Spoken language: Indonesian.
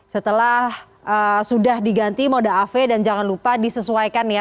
setelah sudah diganti moda av dan jangan lupa disesuaikan ya